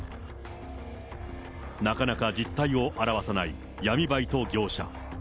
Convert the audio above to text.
なかなか実態を現さない闇バイト業者。